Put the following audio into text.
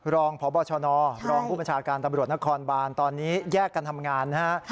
รองพบชนรองผู้บัญชาการตำรวจนครบานตอนนี้แยกกันทำงานนะฮะ